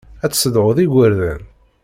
Ad tessedhuḍ igerdan.